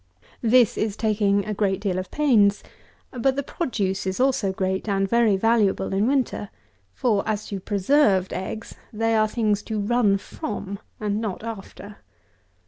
178. This is taking a great deal of pains; but the produce is also great and very valuable in winter; for, as to preserved eggs, they are things to run from and not after.